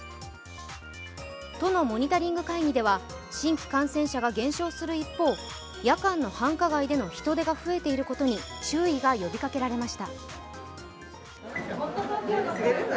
都のモニタリング会議では新規感染者が減る一方、夜間の繁華街での人出が増えていることに注意が呼びかけられました。